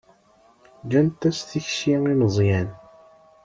Gant-as tikci i Meẓyan.